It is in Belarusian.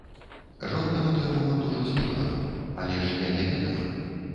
Жонка на той момант ужо з'ехала, але ж я не ведала.